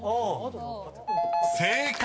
［正解。